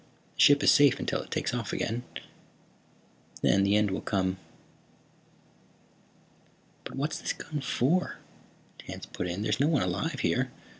The ship is safe until it takes off again, then the end will come." "But what's this gun for?" Tance put in. "There's no one alive here.